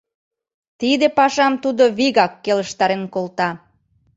Тиде пашам тудо вигак келыштарен колта...